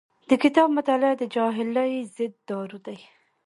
د کتاب مطالعه د جاهلۍ ضد دارو دی.